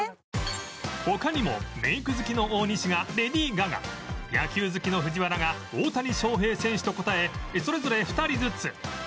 他にもメイク好きの大西がレディー・ガガ野球好きの藤原が大谷翔平選手と答えそれぞれ２人ずつ